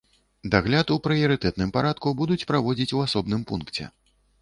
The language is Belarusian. Дагляд у прыярытэтным парадку будуць праводзіць у асобным пункце.